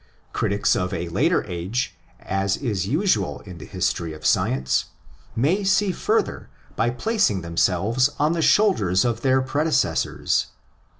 Critics of a later age, as is usual in the history of science, may see further by placing themselves on the shoulders of their pre decessors.